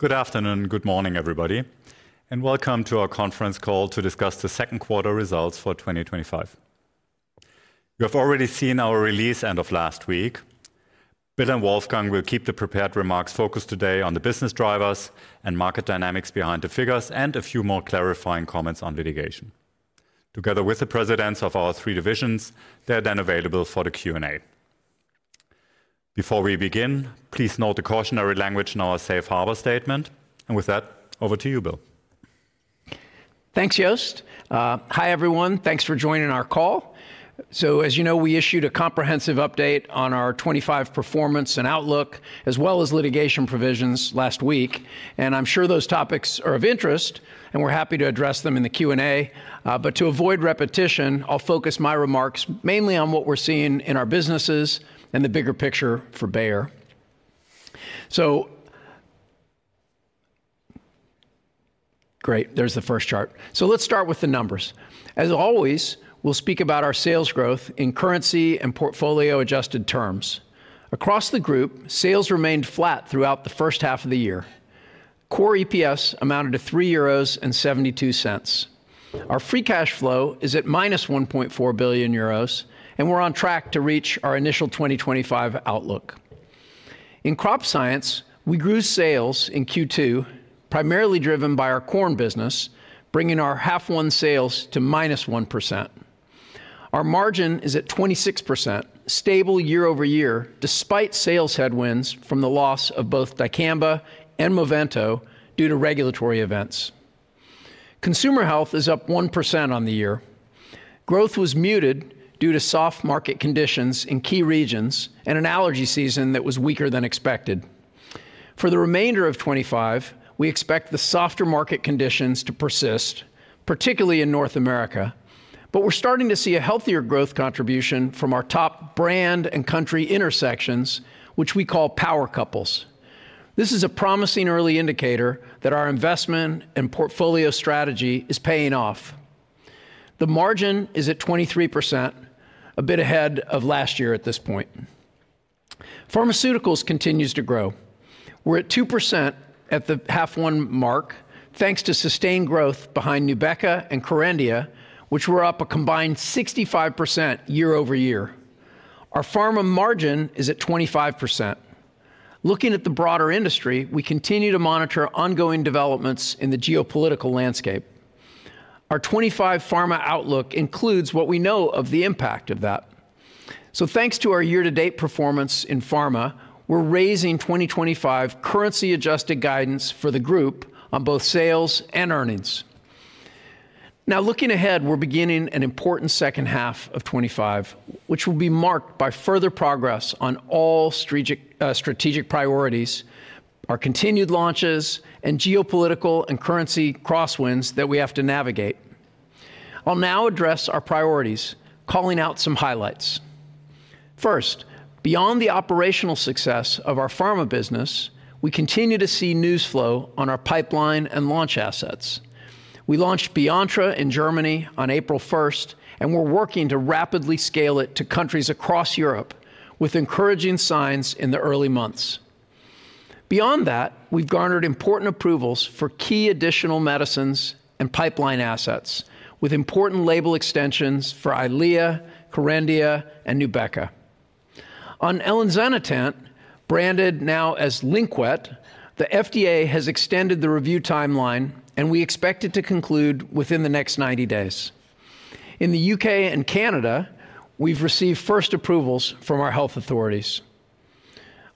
Good afternoon, good morning, everybody, and welcome to our conference call to discuss the second quarter results for 2025. You have already seen our release end of last week. Bill and Wolfgang will keep the prepared remarks focused today on the business drivers and market dynamics behind the figures, and a few more clarifying comments on litigation. Together with the Presidents of our three divisions, they are then available for the Q&A. Before we begin, please note the cautionary language in our safe harbor statement. With that, over to you, Bill. Thanks, Jost. Hi, everyone. Thanks for joining our call. As you know, we issued a comprehensive update on our 2025 performance and outlook, as well as litigation provisions last week. I'm sure those topics are of interest, and we're happy to address them in the Q&A. To avoid repetition, I'll focus my remarks mainly on what we're seeing in our businesses and the bigger picture for Bayer. Great, there's the first chart. Let's start with the numbers. As always, we'll speak about our sales growth in currency and portfolio-adjusted terms. Across the group, sales remained flat throughout the first half of the year. Core EPS amounted to 3.72 euros. Our free cash flow is at -1.4 billion euros, and we're on track to reach our initial 2025 outlook. In Crop Science, we grew sales in Q2, primarily driven by our corn business, bringing our half-on sales to -1%. Our margin is at 26%, stable year-over-year, despite sales headwinds from the loss of both Dicamba and Movento due to regulatory events. Consumer Health is up 1% on the year. Growth was muted due to soft market conditions in key regions and an allergy season that was weaker than expected. For the remainder of 2025, we expect the softer market conditions to persist, particularly in North America, but we're starting to see a healthier growth contribution from our top brand and country intersections, which we call power couples. This is a promising early indicator that our investment and portfolio strategy is paying off. The margin is at 23%, a bit ahead of last year at this point. Pharmaceuticals continues to grow. We're at 2% at the half-one mark, thanks to sustained growth behind Nubeqa and Kerendia, which were up a combined 65% year-over-year. Our Pharma margin is at 25%. Looking at the broader industry, we continue to monitor ongoing developments in the geopolitical landscape. Our 2025 Pharma outlook includes what we know of the impact of that. Thanks to our year-to-date performance in Pharma, we're raising 2025 currency-adjusted guidance for the group on both sales and earnings. Now, looking ahead, we're beginning an important second half of 2025, which will be marked by further progress on all strategic priorities, our continued launches, and geopolitical and currency crosswinds that we have to navigate. I'll now address our priorities, calling out some highlights. First, beyond the operational success of our Pharma business, we continue to see news flow on our pipeline and launch assets. We launched Biontra in Germany on April 1, and we're working to rapidly scale it to countries across Europe, with encouraging signs in the early months. Beyond that, we've garnered important approvals for key additional medicines and pipeline assets, with important label extensions for Eylea, Kerendia, and Nubeqa. On elinzanetant, branded now as Linqued, the FDA has extended the review timeline, and we expect it to conclude within the next 90 days. In the U.K. and Canada, we've received first approvals from our health authorities.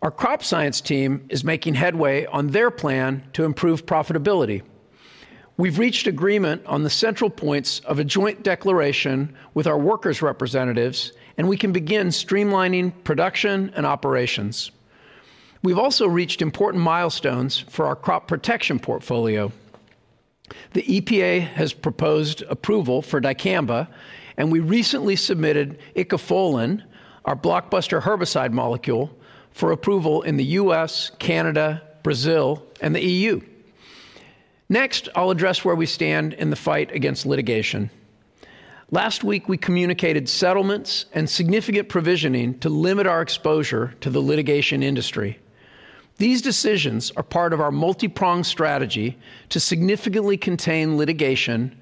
Our Crop Science team is making headway on their plan to improve profitability. We've reached agreement on the central points of a joint declaration with our workers' representatives, and we can begin streamlining production and operations. We've also reached important milestones for our crop protection portfolio. The EPA has proposed approval for Dicamba, and we recently submitted Icofolin, our blockbuster herbicide molecule, for approval in the U.S., Canada, Brazil, and the EU. Next, I'll address where we stand in the fight against litigation. Last week, we communicated settlements and significant provisioning to limit our exposure to the litigation industry. These decisions are part of our multipronged strategy to significantly contain litigation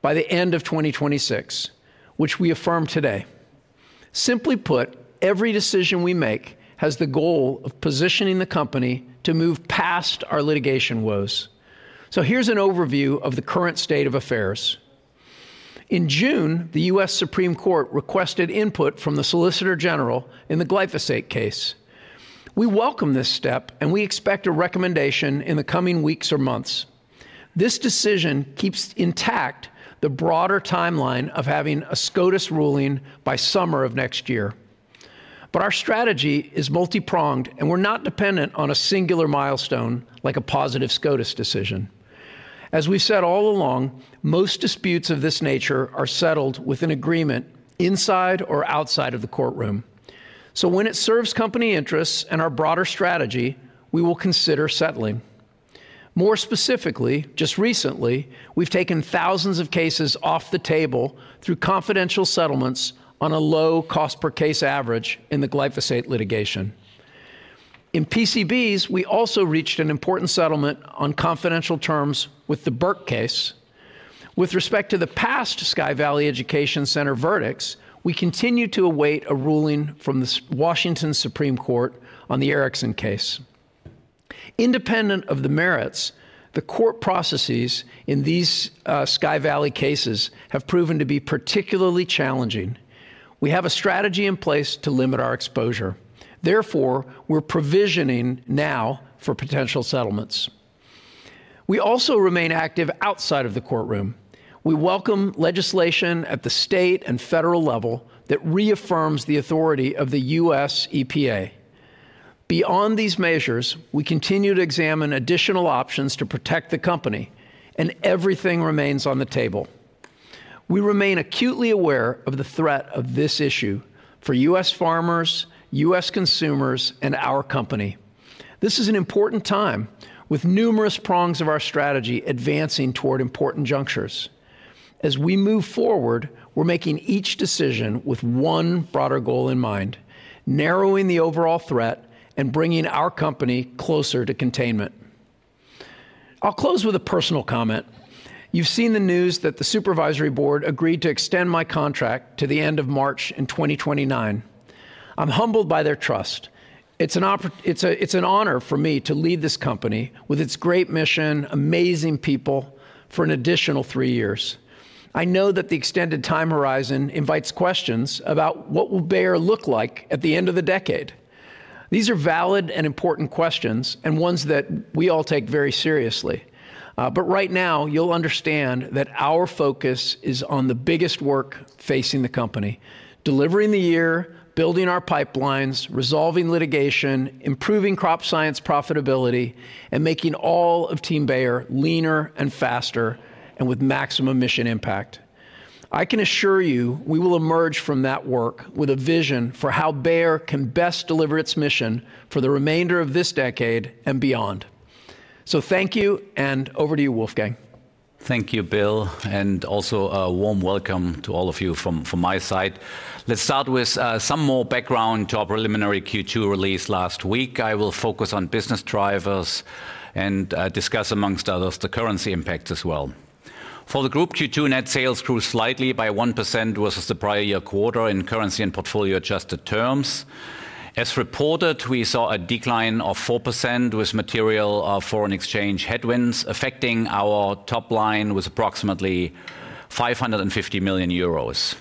by the end of 2026, which we affirm today. Simply put, every decision we make has the goal of positioning the company to move past our litigation woes. Here's an overview of the current state of affairs. In June, the U.S. Supreme Court requested input from the Solicitor General in the glyphosate case. We welcome this step, and we expect a recommendation in the coming weeks or months. This decision keeps intact the broader timeline of having a SCOTUS ruling by summer of next year. Our strategy is multipronged, and we're not dependent on a singular milestone like a positive SCOTUS decision. As we've said all along, most disputes of this nature are settled with an agreement inside or outside of the courtroom. When it serves company interests and our broader strategy, we will consider settling. More specifically, just recently, we've taken thousands of cases off the table through confidential settlements on a low cost-per-case average in the glyphosate litigation. In PCBs, we also reached an important settlement on confidential terms with the Burke case. With respect to the past Sky Valley Education Center verdicts, we continue to await a ruling from the Washington Supreme Court on the Erickson case. Independent of the merits, the court processes in these Sky Valley cases have proven to be particularly challenging. We have a strategy in place to limit our exposure. Therefore, we're provisioning now for potential settlements. We also remain active outside of the courtroom. We welcome legislation at the state and federal level that reaffirms the authority of the U.S. EPA. Beyond these measures, we continue to examine additional options to protect the company, and everything remains on the table. We remain acutely aware of the threat of this issue for U.S. farmers, U.S. consumers, and our company. This is an important time, with numerous prongs of our strategy advancing toward important junctures. As we move forward, we're making each decision with one broader goal in mind: narrowing the overall threat and bringing our company closer to containment. I'll close with a personal comment. You've seen the news that the Supervisory Board agreed to extend my contract to the end of March in 2029. I'm humbled by their trust. It's an honor for me to lead this company, with its great mission, amazing people, for an additional three years. I know that the extended time horizon invites questions about what will Bayer look like at the end of the decade. These are valid and important questions, and ones that we all take very seriously. Right now, you'll understand that our focus is on the biggest work facing the company: delivering the year, building our pipelines, resolving litigation, improving Crop Science profitability, and making all of Team Bayer leaner and faster, and with maximum mission impact. I can assure you we will emerge from that work with a vision for how Bayer can best deliver its mission for the remainder of this decade and beyond. Thank you, and over to you, Wolfgang. Thank you, Bill, and also a warm welcome to all of you from my side. Let's start with some more background to our preliminary Q2 release last week. I will focus on business drivers and discuss, amongst others, the currency impacts as well. For the group, Q2 net sales grew slightly by 1% versus the prior year quarter in currency and portfolio-adjusted terms. As reported, we saw a decline of 4% with material foreign exchange headwinds affecting our top line with approximately 550 million euros.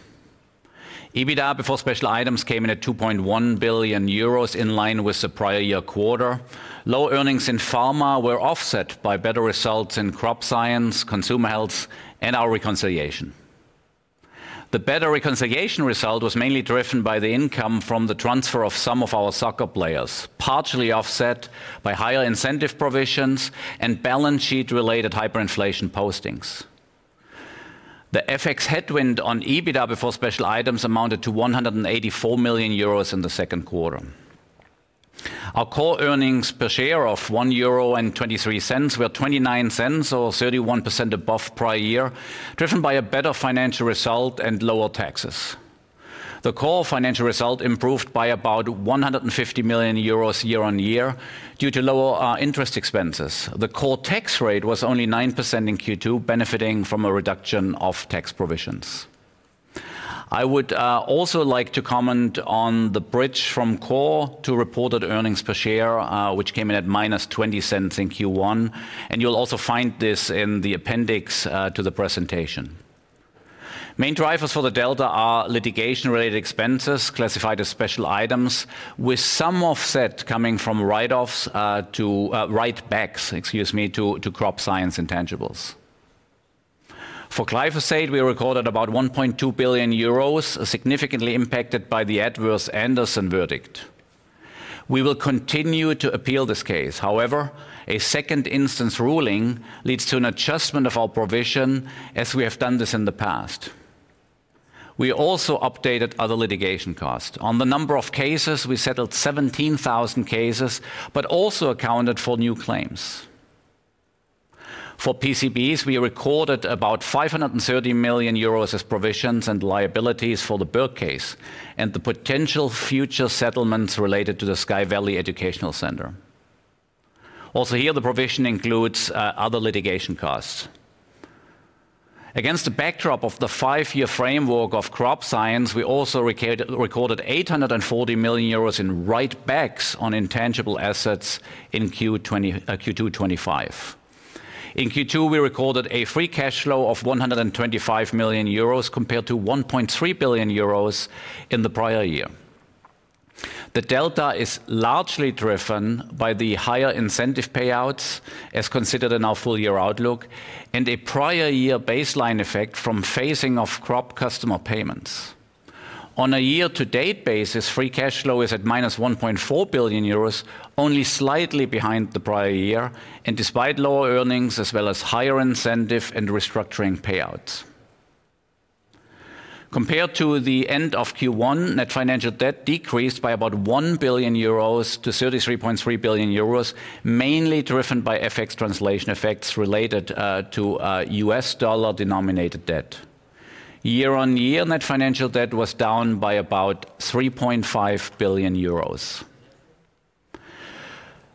EBITDA before special items came in at 2.1 billion euros, in line with the prior year quarter. Low earnings in Pharmaceuticals were offset by better results in Crop Science, Consumer Health, and our reconciliation. The better reconciliation result was mainly driven by the income from the transfer of some of our soccer players, partially offset by higher incentive provisions and balance sheet-related hyperinflation postings. The FX headwind on EBITDA before special items amounted to 184 million euros in the second quarter. Our core earnings per share of 1.23 euro were 0.29, or 31% above prior year, driven by a better financial result and lower taxes. The core financial result improved by about 150 million euros year on year due to lower interest expenses. The core tax rate was only 9% in Q2, benefiting from a reduction of tax provisions. I would also like to comment on the bridge from core to reported earnings per share, which came in at -0.20 in Q1. You will also find this in the appendix to the presentation. Main drivers for the delta are litigation-related expenses classified as special items, with some offset coming from write-offs to, excuse me, write-backs to Crop Science intangibles. For glyphosate, we recorded about 1.2 billion euros, significantly impacted by the adverse Anderson verdict. We will continue to appeal this case; however, a second-instance ruling leads to an adjustment of our provision, as we have done this in the past. We also updated other litigation costs. On the number of cases, we settled 17,000 cases, but also accounted for new claims. For PCBs, we recorded about 530 million euros as provisions and liabilities for the Burke case and the potential future settlements related to the Sky Valley Education Center. Also here, the provision includes other litigation costs. Against the backdrop of the five-year framework of Crop Science, we also recorded 840 million euros in write-backs on intangible assets in Q2 2025. In Q2, we recorded a free cash flow of 125 million euros, compared to 1.3 billion euros in the prior year. The delta is largely driven by the higher incentive payouts, as considered in our full-year outlook, and a prior-year baseline effect from phasing of crop customer payments. On a year-to-date basis, free cash flow is at -1.4 billion euros, only slightly behind the prior year, and despite lower earnings, as well as higher incentive and restructuring payouts. Compared to the end of Q1, net financial debt decreased by about 1 billion euros to 33.3 billion euros, mainly driven by FX translation effects related to U.S. dollar denominated debt. Year on year, net financial debt was down by about 3.5 billion euros.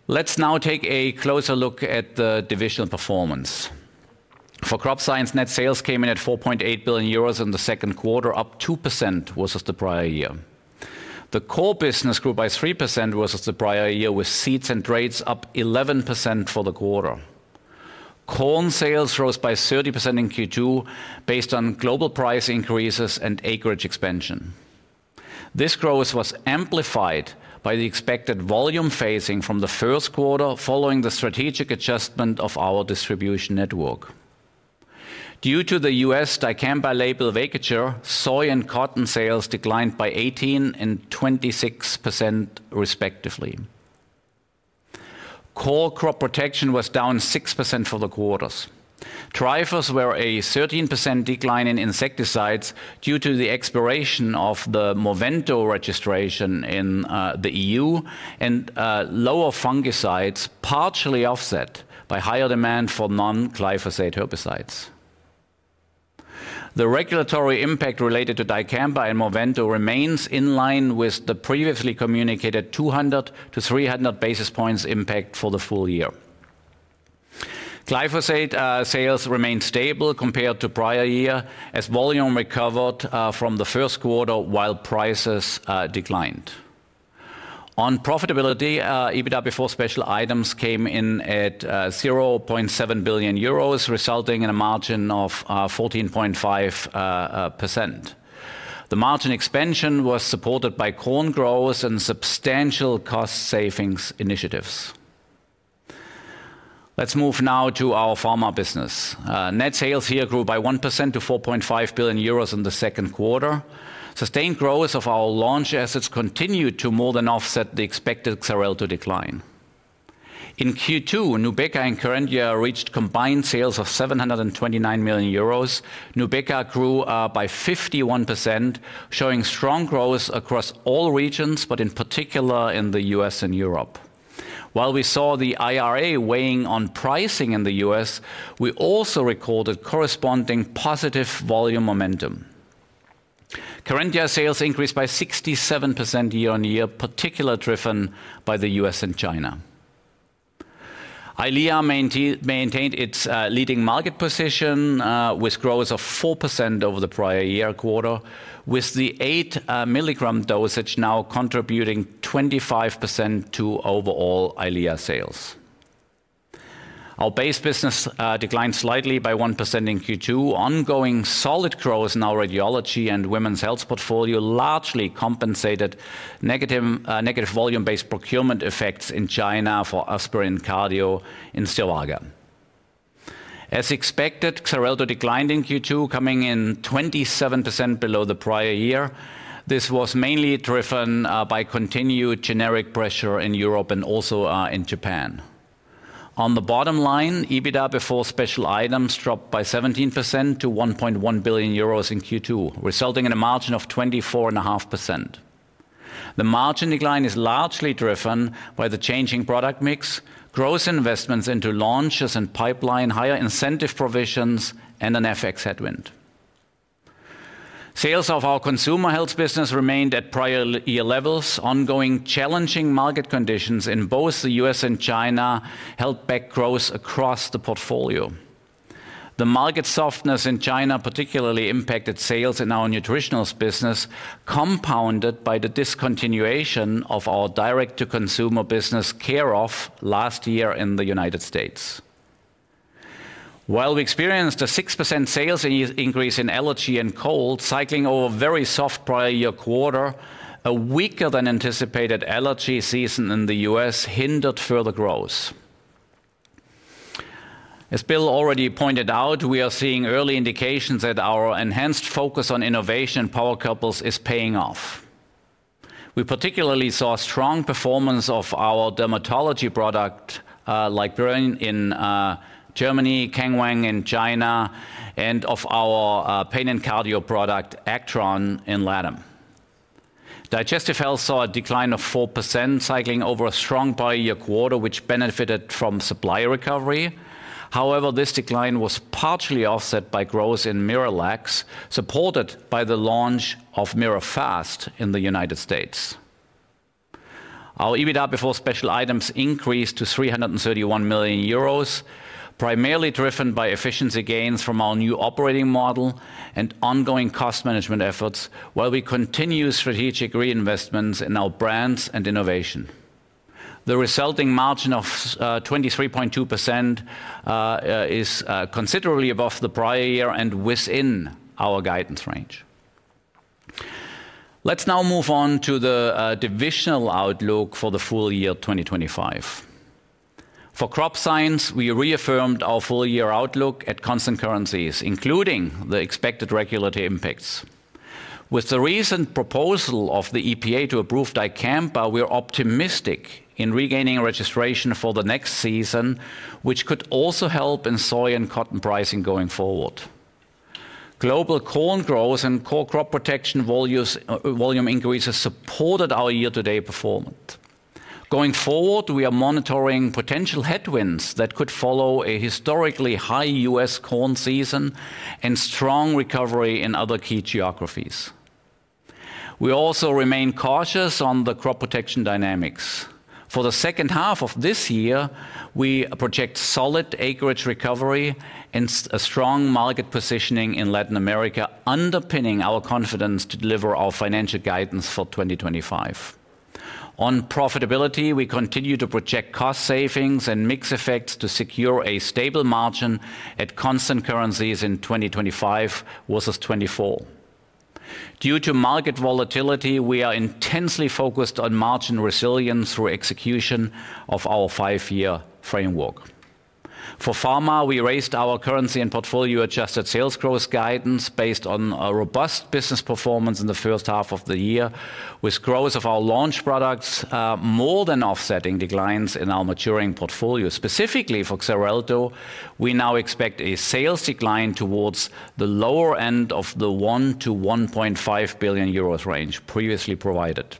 Let's now take a closer look at the divisional performance. For Crop Science, net sales came in at 4.8 billion euros in the second quarter, up 2% versus the prior year. The core business grew by 3% versus the prior year, with seeds and traits up 11% for the quarter. Corn sales rose by 30% in Q2, based on global price increases and acreage expansion. This growth was amplified by the expected volume phasing from the first quarter following the strategic adjustment of our distribution network. Due to the U.S. Dicamba label vacature, soy and cotton sales declined by 18% and 26%, respectively. Core crop protection was down 6% for the quarter. Drivers were a 13% decline in insecticides due to the expiration of the Movento registration in the EU, and lower fungicides, partially offset by higher demand for non-glyphosate herbicides. The regulatory impact related to Dicamba and Movento remains in line with the previously communicated 200-300 basis points impact for the full year. Glyphosate sales remained stable compared to prior year, as volume recovered from the first quarter while prices declined. On profitability, EBITDA before special items came in at 0.7 billion euros, resulting in a margin of 14.5%. The margin expansion was supported by corn growers and substantial cost-savings initiatives. Let's move now to our Pharma business. Net sales here grew by 1% to 4.5 billion euros in the second quarter. Sustained growth of our launch assets continued to more than offset the expected Xarelto decline. In Q2, Nubeqa and Kerendia reached combined sales of 729 million euros. Nubeqa grew by 51%, showing strong growth across all regions, but in particular in the U.S. and Europe. While we saw the IRA weighing on pricing in the U.S., we also recorded corresponding positive volume momentum. Kerendia sales increased by 67% year on year, particularly driven by the U.S. and China. Eylea maintained its leading market position, with growth of 4% over the prior year quarter, with the 8 milligram dosage now contributing 25% to overall Eylea sales. Our base business declined slightly by 1% in Q2. Ongoing solid growth in our radiology and women's health portfolio largely compensated negative volume-based procurement effects in China for Aspirin and Cardio in Sri Lanka. As expected, Xarelto declined in Q2, coming in 27% below the prior year. This was mainly driven by continued generic pressure in Europe and also in Japan. On the bottom line, EBITDA before special items dropped by 17% to 1.1 billion euros in Q2, resulting in a margin of 24.5%. The margin decline is largely driven by the changing product mix, growth investments into launches and pipeline, higher incentive provisions, and an FX headwind. Sales of our Consumer Health business remained at prior year levels. Ongoing challenging market conditions in both the U.S. and China held back growth across the portfolio. The market softness in China particularly impacted sales in our Nutritionals business, compounded by the discontinuation of our direct-to-consumer business Care-Off last year in the United States. While we experienced a 6% sales increase in Allergy and Cold, cycling over a very soft prior year quarter, a weaker than anticipated allergy season in the U.S. hindered further growth. As Bill already pointed out, we are seeing early indications that our enhanced focus on innovation and power couples is paying off. We particularly saw strong performance of our dermatology product Biontra in Germany, Kangwang in China, and of our pain and cardio product Actron in Latin America. Digestive Health saw a decline of 4%, cycling over a strong prior year quarter, which benefited from supply recovery. However, this decline was partially offset by growth in Miralax, supported by the launch of Mirfast in the United States. Our EBITDA before special items increased to 331 million euros, primarily driven by efficiency gains from our new operating model and ongoing cost management efforts, while we continue strategic reinvestments in our brands and innovation. The resulting margin of 23.2% is considerably above the prior year and within our guidance range. Let's now move on to the divisional outlook for the full year 2025. For Crop Science, we reaffirmed our full-year outlook at constant currencies, including the expected regulatory impacts. With the recent proposal of the EPA to approve Dicamba, we're optimistic in regaining registration for the next season, which could also help in soy and cotton pricing going forward. Global corn growth and core crop protection volume increases supported our year-to-date performance. Going forward, we are monitoring potential headwinds that could follow a historically high U.S. corn season and strong recovery in other key geographies. We also remain cautious on the crop protection dynamics. For the second half of this year, we project solid acreage recovery and a strong market positioning in Latin America, underpinning our confidence to deliver our financial guidance for 2025. On profitability, we continue to project cost savings and mix effects to secure a stable margin at constant currencies in 2025 versus 2024. Due to market volatility, we are intensely focused on margin resilience through execution of our five-year framework. For Pharmaceuticals, we raised our currency and portfolio-adjusted sales growth guidance based on robust business performance in the first half of the year, with growth of our launch products more than offsetting declines in our maturing portfolio. Specifically for Xarelto, we now expect a sales decline towards the lower end of the 1 billion-1.5 billion euros range previously provided.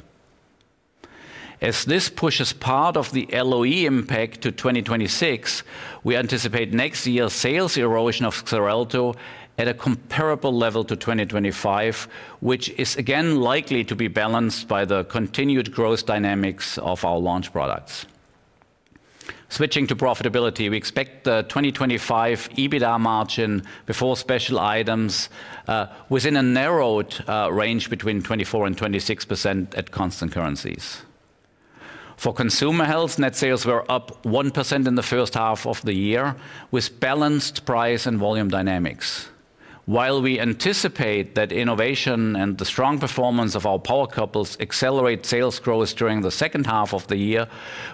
As this pushes part of the LOE impact to 2026, we anticipate next year's sales erosion of Xarelto at a comparable level to 2025, which is again likely to be balanced by the continued growth dynamics of our launch products. Switching to profitability, we expect the 2025 EBITDA margin before special items within a narrowed range between 24% and 26% at constant currencies. For Consumer Health, net sales were up 1% in the first half of the year, with balanced price and volume dynamics. While we anticipate that innovation and the strong performance of our power couples accelerate sales growth during the second half of the year,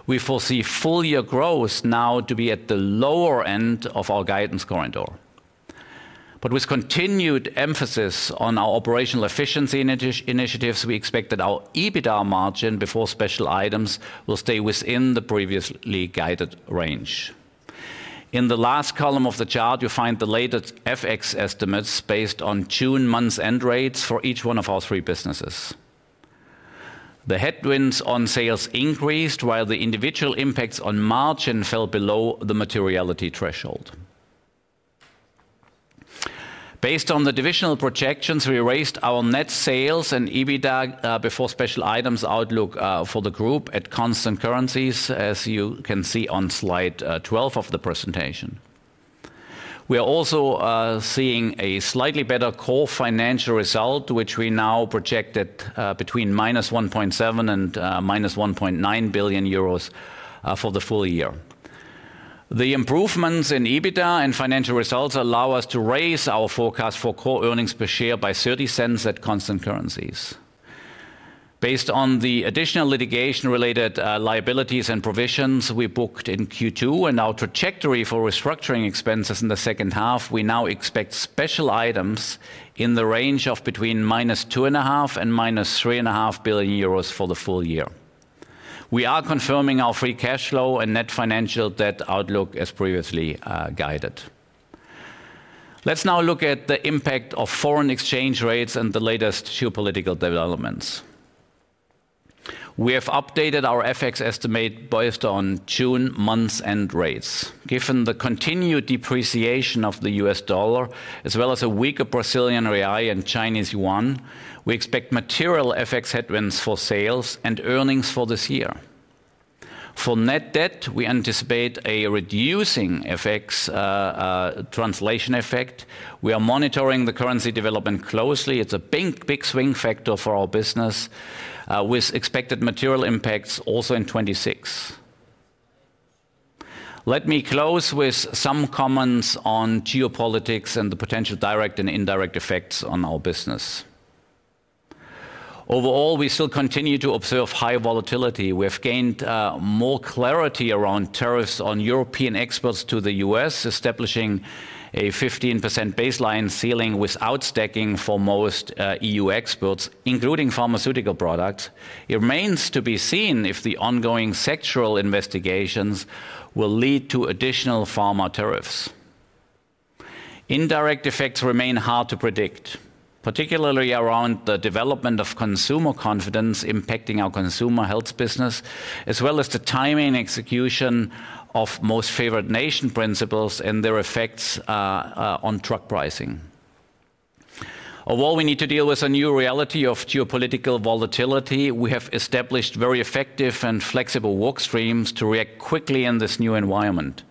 we foresee full-year growth now to be at the lower end of our guidance corridor. With continued emphasis on our operational efficiency initiatives, we expect that our EBITDA margin before special items will stay within the previously guided range. In the last column of the chart, you'll find the latest FX estimates based on June month's end rates for each one of our three businesses. The headwinds on sales increased, while the individual impacts on margin fell below the materiality threshold. Based on the divisional projections, we raised our net sales and EBITDA before special items outlook for the group at constant currencies, as you can see on slide 12 of the presentation. We are also seeing a slightly better core financial result, which we now project at between -1.7 billion and -1.9 billion euros for the full year. The improvements in EBITDA and financial results allow us to raise our forecast for core EPS by 0.30 at constant currencies. Based on the additional litigation-related liabilities and provisions we booked in Q2 and our trajectory for restructuring expenses in the second half, we now expect special items in the range of between -2.5 billion euros and EUR -3.5 billion for the full year. We are confirming our free cash flow and net financial debt outlook as previously guided. Let's now look at the impact of foreign exchange rates and the latest geopolitical developments. We have updated our FX estimate based on June month's end rates. Given the continued depreciation of the U.S. dollar, as well as a weaker Brazilian real and Chinese yuan, we expect material FX headwinds for sales and earnings for this year. For net debt, we anticipate a reducing FX translation effect. We are monitoring the currency development closely. It's a big, big swing factor for our business, with expected material impacts also in 2026. Let me close with some comments on geopolitics and the potential direct and indirect effects on our business. Overall, we still continue to observe high volatility. We have gained more clarity around tariffs on European exports to the U.S., establishing a 15% baseline ceiling without stacking for most EU exports, including pharmaceutical products. It remains to be seen if the ongoing sectoral investigations will lead to additional pharma tariffs. Indirect effects remain hard to predict, particularly around the development of consumer confidence impacting our Consumer Health business, as well as the timing and execution of most favored nation principles and their effects on truck pricing. Overall, we need to deal with a new reality of geopolitical volatility. We have established very effective and flexible workstreams to react quickly in this new environment.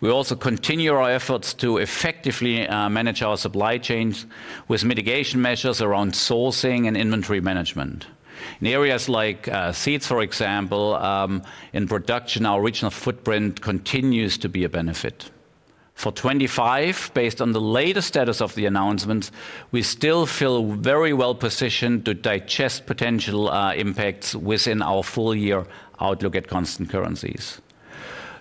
We also continue our efforts to effectively manage our supply chains with mitigation measures around sourcing and inventory management. In areas like seeds, for example, in production, our regional footprint continues to be a benefit. For 2025, based on the latest status of the announcements, we still feel very well positioned to digest potential impacts within our full-year outlook at constant currencies.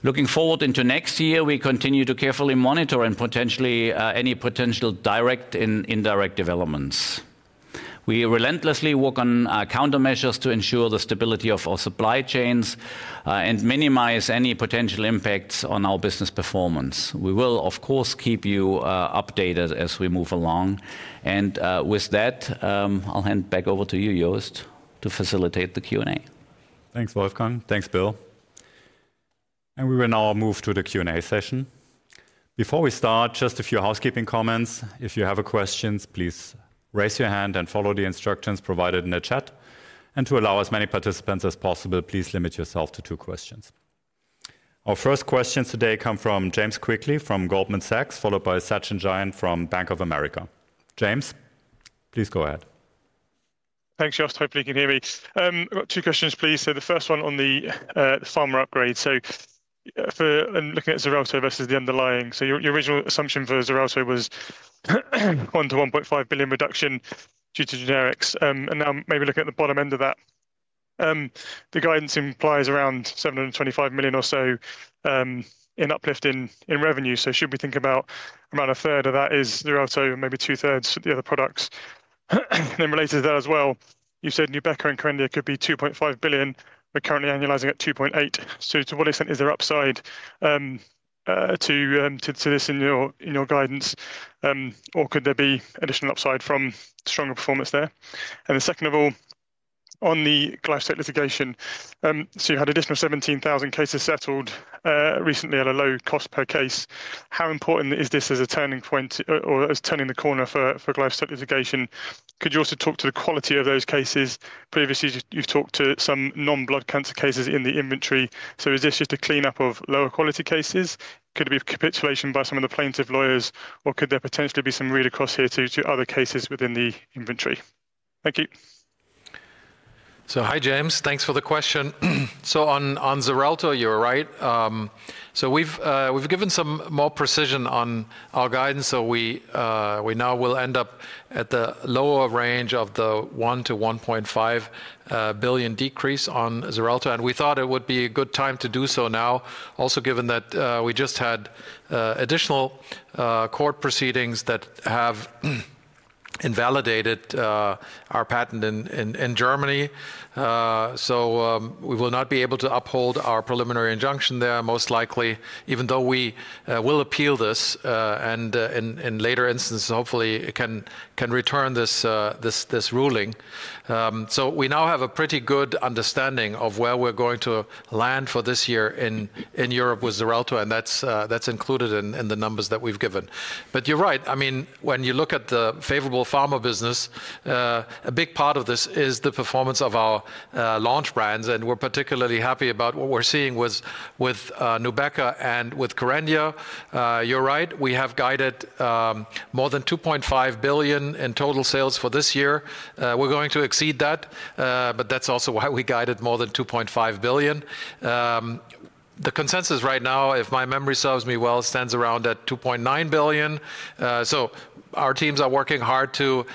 Looking forward into next year, we continue to carefully monitor any potential direct and indirect developments. We relentlessly work on countermeasures to ensure the stability of our supply chains and minimize any potential impacts on our business performance. We will, of course, keep you updated as we move along. I'll hand back over to you, Jost, to facilitate the Q&A. Thanks, Wolfgang. Thanks, Bill. We will now move to the Q&A session. Before we start, just a few housekeeping comments. If you have questions, please raise your hand and follow the instructions provided in the chat. To allow as many participants as possible, please limit yourself to two questions. Our first questions today come from James Quigley from Goldman Sachs, followed by Sachin Jain from Bank of America Merrill Lynch. James, please go ahead. Thanks, Jost. Hopefully, you can hear me. I've got two questions, please. The first one on the pharma upgrade. For looking at Xarelto versus the underlying, your original assumption for Xarelto was 1 billion- 1.5 billion reduction due to generics. Now, maybe looking at the bottom end of that, the guidance implies around 725 million or so in uplift in revenue. Should we think about around a third of that as Xarelto and maybe two-thirds the other products? Related to that as well, you said Nubeqa and Kerendia could be 2.5 billion, but currently annualizing at 2.8 billion. To what extent is there upside to this in your guidance? Could there be additional upside from stronger performance there? Second, on the glyphosate litigation, you had an additional 17,000 cases settled recently at a low cost per case. How important is this as a turning point or as turning the corner for glyphosate litigation? Could you also talk to the quality of those cases? Previously, you've talked to some non-blood cancer cases in the inventory. Is this just a cleanup of lower quality cases? Could it be capitulation by some of the plaintiff lawyers? Could there potentially be some read across here to other cases within the inventory? Thank you. Hi, James. Thanks for the question. On Xarelto, you're right. We've given some more precision on our guidance. We now will end up at the lower range of the 1 billion-1.5 billion decrease on Xarelto. We thought it would be a good time to do so now, also given that we just had additional court proceedings that have invalidated our patent in Germany. We will not be able to uphold our preliminary injunction there, most likely, even though we will appeal this and in later instances, hopefully can return this ruling. We now have a pretty good understanding of where we're going to land for this year in Europe with Xarelto, and that's included in the numbers that we've given. You're right. When you look at the favorable pharma business, a big part of this is the performance of our launch brands. We're particularly happy about what we're seeing with Nubeqa and with Kerendia. You're right. We have guided more than 2.5 billion in total sales for this year. We're going to exceed that, but that's also why we guided more than 2.5 billion. The consensus right now, if my memory serves me well, stands around at 2.9 billion. Our teams are working hard to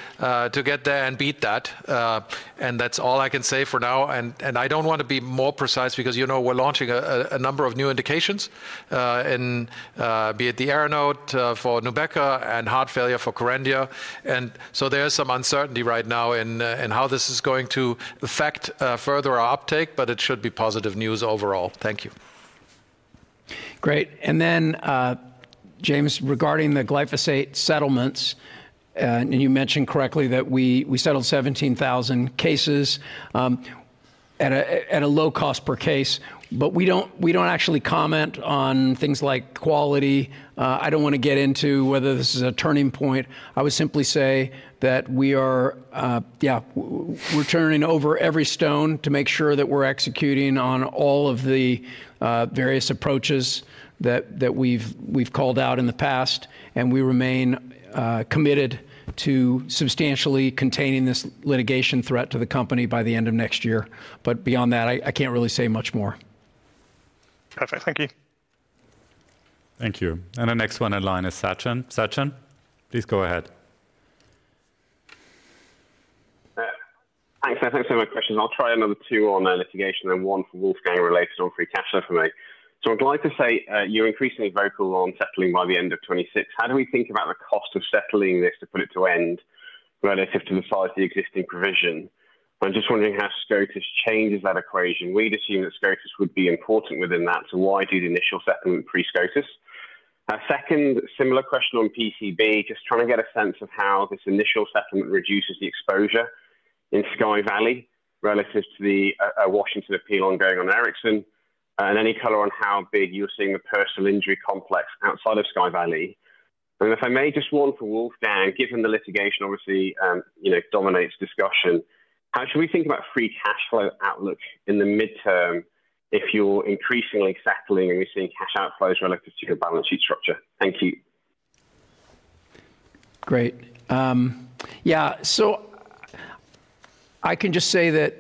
get there and beat that. That's all I can say for now. I don't want to be more precise because, you know, we're launching a number of new indications, be it the Aranode for Nubeqa and heart failure for Kerendia. There is some uncertainty right now in how this is going to affect further our uptake, but it should be positive news overall. Thank you. Great. James, regarding the glyphosate settlements, you mentioned correctly that we settled 17,000 cases at a low cost per case, but we don't actually comment on things like quality. I don't want to get into whether this is a turning point. I would simply say that we are turning over every stone to make sure that we're executing on all of the various approaches that we've called out in the past. We remain committed to substantially containing this litigation threat to the company by the end of next year. Beyond that, I can't really say much more. Perfect. Thank you. Thank you. The next one in line is Sachin. Sachin, please go ahead. Thanks. Thanks for that question. I'll try another two on litigation and one for Wolfgang related on free cash flow for me. I'm glad to say you're increasingly vocal on settling by the end of 2026. How do we think about the cost of settling this to put it to end relative to the size of the existing provision? I'm just wondering how SCOTUS changes that equation. We'd assume that SCOTUS would be important within that. Why do the initial settlement pre-SCOTUS? A second similar question on PCB, just trying to get a sense of how this initial settlement reduces the exposure in Sky Valley relative to the Washington appeal ongoing on Erickson. Any color on how big you're seeing the personal injury complex outside of Sky Valley? If I may just one for Wolfgang, given the litigation obviously dominates discussion, how should we think about free cash flow outlook in the midterm if you're increasingly settling and you're seeing cash outflows relative to your balance sheet structure? Thank you. Great. I can just say that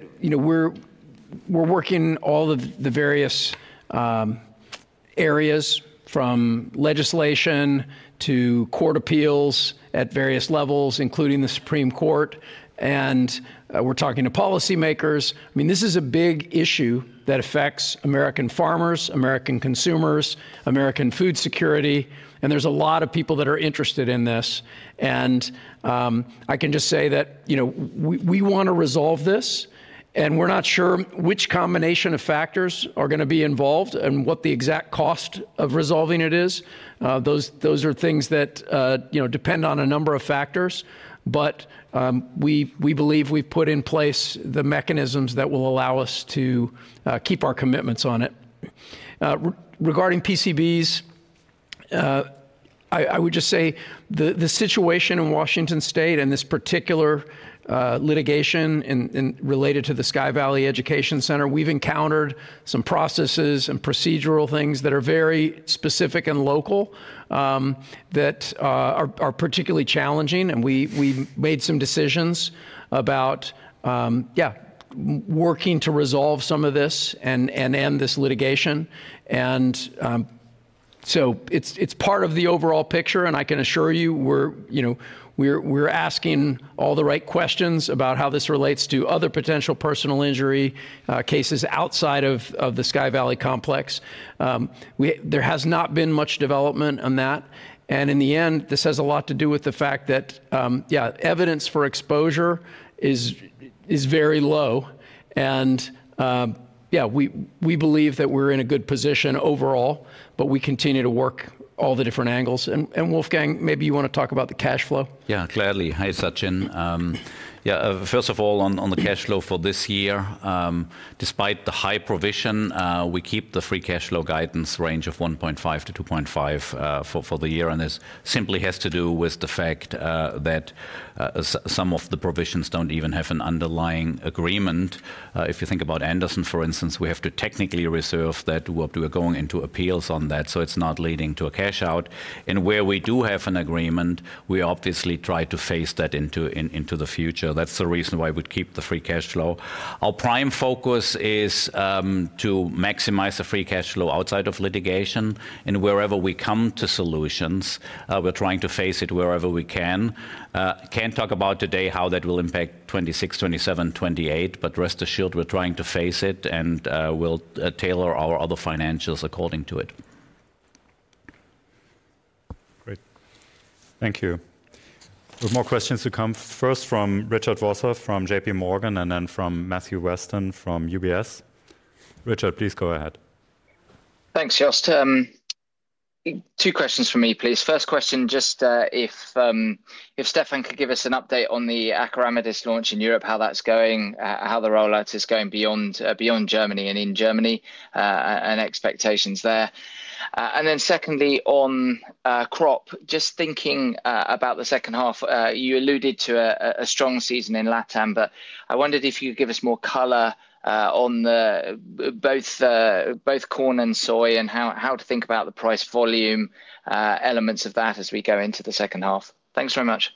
we're working all of the various areas from legislation to court appeals at various levels, including the Supreme Court. We're talking to policymakers. This is a big issue that affects American farmers, American consumers, American food security. There's a lot of people that are interested in this. I can just say that we want to resolve this. We're not sure which combination of factors are going to be involved and what the exact cost of resolving it is. Those are things that depend on a number of factors. We believe we put in place the mechanisms that will allow us to keep our commitments on it. Regarding PCBs, I would just say the situation in Washington and this particular litigation related to the Sky Valley Education Center, we've encountered some processes and procedural things that are very specific and local that are particularly challenging. We made some decisions about working to resolve some of this and end this litigation. It's part of the overall picture. I can assure you we're asking all the right questions about how this relates to other potential personal injury cases outside of the Sky Valley complex. There has not been much development on that. In the end, this has a lot to do with the fact that evidence for exposure is very low. We believe that we're in a good position overall, but we continue to work all the different angles. Wolfgang, maybe you want to talk about the cash flow? Yeah, clearly. Hi, Sachin. First of all, on the cash flow for this year, despite the high provision, we keep the free cash flow guidance range of 1.5 billion-2.5 billion for the year. This simply has to do with the fact that some of the provisions don't even have an underlying agreement. If you think about Anderson, for instance, we have to technically reserve that. We're going into appeals on that, so it's not leading to a cash out. Where we do have an agreement, we obviously try to phase that into the future. That's the reason why we keep the free cash flow. Our prime focus is to maximize the free cash flow outside of litigation, and wherever we come to solutions, we're trying to phase it wherever we can. Can't talk about today how that will impact 2026, 2027, 2028, but rest assured we're trying to phase it and we'll tailor our other financials according to it. Great. Thank you. We have more questions to come. First from Richard Vosser from J.P. Morgan and then from Matthew Weston from UBS. Richard, please go ahead. Thanks, Jost. Two questions from me, please. First question, just if Stefan could give us an update on the Acaramidis launch in Europe, how that's going, how the rollout is going beyond Germany and in Germany, and expectations there. Secondly, on crop, just thinking about the second half, you alluded to a strong season in Latin, but I wondered if you could give us more color on both corn and soy and how to think about the price volume elements of that as we go into the second half. Thanks very much.